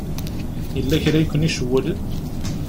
Yella kra i ken-icewwlen?